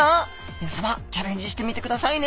みなさまチャレンジしてみてくださいね！